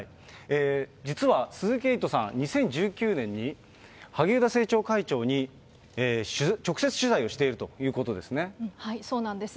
実は鈴木エイトさん、２０１９年に萩生田政調会長に直接取材をしているということですそうなんです。